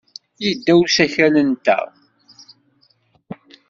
Yedda usakal-nteɣ.